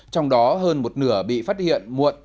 trong đó hơn một nửa bị phát hiện muộn